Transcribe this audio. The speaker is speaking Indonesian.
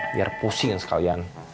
biar pusingin sekalian